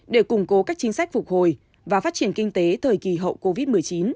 để củng cố các chính sách phục hồi và phát triển kinh tế thời kỳ hậu covid một mươi chín